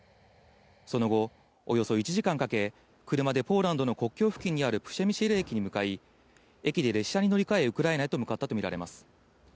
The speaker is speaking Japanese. その後、およそ１時間かけ、車でポーランドの国境付近にあるプシェミシル駅に向かい、駅で列車に乗り換え、ウクライナに向かったとみられます。